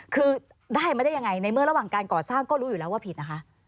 คือได้มาได้ยังไงในเมื่อระหว่างการก่อสร้างก็รู้อยู่แล้วว่าผิดนะคะ